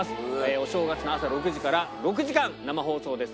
お正月の朝６時から６時間生放送です。